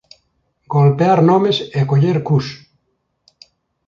Golpear nomes e coller cus.